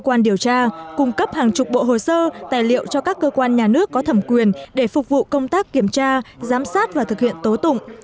cơ quan điều tra cung cấp hàng chục bộ hồ sơ tài liệu cho các cơ quan nhà nước có thẩm quyền để phục vụ công tác kiểm tra giám sát và thực hiện tố tụng